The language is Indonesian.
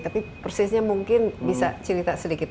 tapi persisnya mungkin bisa cerita sedikit